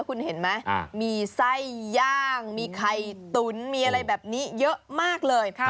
คุณเห็นไหมมีไส้ย่างมีไข่ตุ๋นมีอะไรแบบนี้เยอะมากเลย